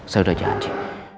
saya udah janji